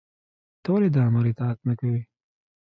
تۀ ولې د آمر اطاعت نۀ کوې؟